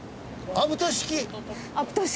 アプト式！